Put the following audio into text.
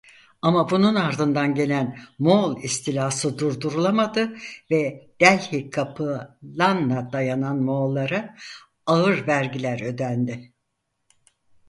Ama bunun ardından gelen Moğol istilası durdurulamadı ve Delhi kapı-lanna dayanan Moğollara ağır vergiler ödendi.